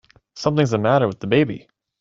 Something's the matter with the baby!